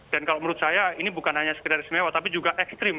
dan kalau menurut saya ini bukan hanya sekedar istimewa tapi juga ekstrim